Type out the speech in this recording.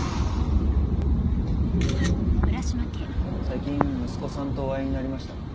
最近息子さんとお会いになりましたか？